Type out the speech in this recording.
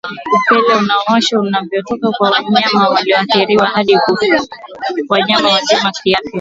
Upele Unaowasha unavyotoka kwa wanyama walioathirika hadi kwa wanyama wazima kiafya